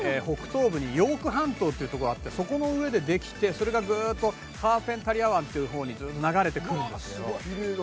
北東部にヨーク半島っていうとこあってそこの上でできてそれがグーッとカーペンタリア湾っていうほうに流れてくるんですよ。